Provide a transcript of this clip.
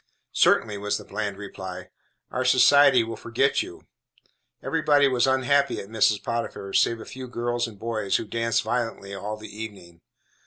"Certainly," was the bland reply, "or society will forget you." Everybody was unhappy at Mrs. Potiphar's, save a few girls and boys, who danced violently all the evening.